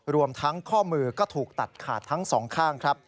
รวมทั้งข้อมือก็ถูกตัดขาดทั้งสองข้างครับ